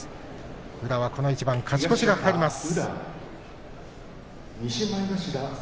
宇良は、この一番に勝ち越しが懸かります。